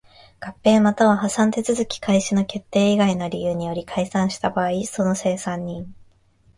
合併又は破産手続開始の決定以外の理由により解散した場合その清算人